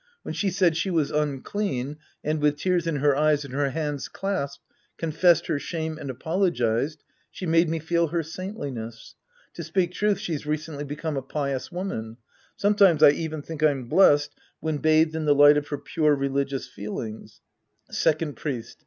When she said she was unclean and, with tears in her eyes and her hands clasped, confessed her shame and apologized, she made me feel her saintliness. To speak truth, she's recently become a pious v/oman. Sometimes I even think I'm blessed when bathed in the light of her pure religious feelings. Second Priest.